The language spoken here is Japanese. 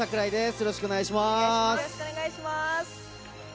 よろしくお願いします。